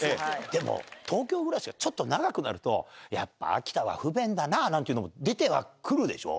でも、東京暮らしがちょっと長くなると、やっぱ秋田は不便だななんていうのも出てはくるでしょ。